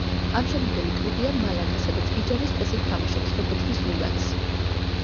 ამჟამინდელი კლუბია მალაგა სადაც იჯარის წესით თამაშობს, ეკუთვნის მილანს.